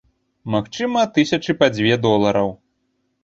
Магчыма, тысячы па дзве долараў.